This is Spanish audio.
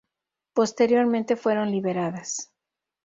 Posteriormente fueron liberadas.